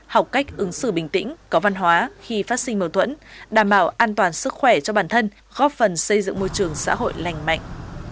học cách ứng xử bình tĩnh có văn hóa khi phát sinh mâu thuẫn đảm bảo an toàn sức khỏe cho bản thân góp phần xây dựng môi trường xã hội lành mạnh